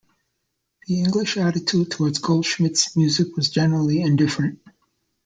The English attitude towards Goldschmidt's music was generally indifferent.